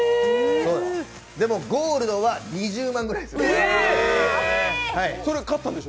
でも、ゴールドは２０万くらいするんです。